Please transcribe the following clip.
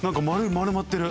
丸まってる。